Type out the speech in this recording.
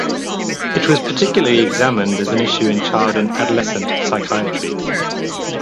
It was particularly examined as an issue in child and adolescent psychiatry.